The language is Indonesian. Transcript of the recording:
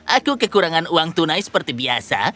aku kekurangan uang tunai seperti biasa